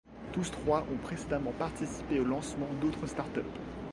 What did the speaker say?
Tous trois ont précédemment participé au lancement d'autres start-ups.